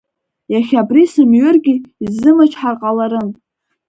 Иахьа абри сымҩыргьы исзымычҳар ҟаларын.